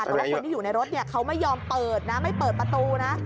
แต่ว่าคนที่อยู่ในรถเขาไม่ยอมเปิดนะไม่เปิดประตูนะ